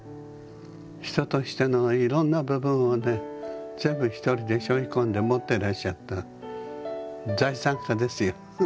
人としてのいろんな部分をね全部一人でしょい込んで持ってらっしゃった財産家ですよ。